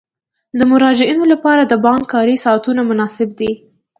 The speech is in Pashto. د مراجعینو لپاره د بانک کاري ساعتونه مناسب دي.